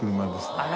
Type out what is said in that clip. あら。